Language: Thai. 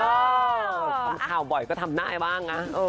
ทำข่าวบ่อยก็ทำได้บ้างนะ